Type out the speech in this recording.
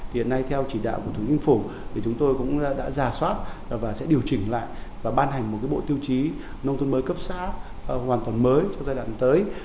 hiện nay theo chỉ đạo của thủy nhân phủ chúng tôi cũng đã giả soát và sẽ điều chỉnh lại và ban hành một bộ tiêu chí nông thôn mới cấp xá hoàn toàn mới cho giai đoạn tới